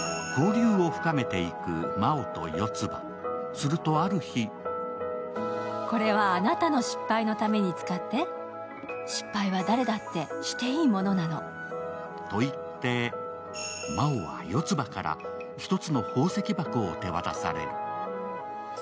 すると、ある日と言って、真央は四葉から１つの宝石箱を手渡される。